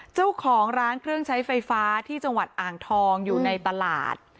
เจ้าของร้านเครื่องใช้ไฟฟ้าที่จังหวัดอ่างทองอยู่ในตลาด